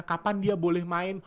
kapan dia boleh main